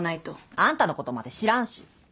あんたのことまで知らんし。